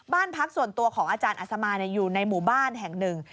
บ้านพักส่วนตัวของอาจารย์อัศมาอยู่ในหมู่บ้านแห่งหนึ่ง